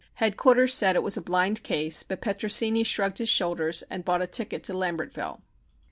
Headquarters said it was a blind case, but Petrosini shrugged his shoulders and bought a ticket to Lambertville.